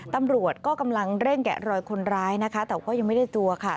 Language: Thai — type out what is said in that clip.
ตำรวจก็กำลังเร่งแกะรอยคนร้ายนะคะแต่ว่ายังไม่ได้ตัวค่ะ